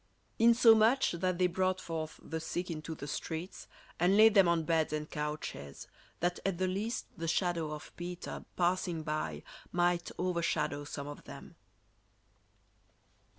"Insomuch that they brought forth the sick into the streets, and laid them on beds and couches, that at the least the shadow of Peter, passing by, might overshadow some of them."